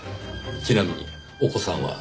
ちなみにお子さんは？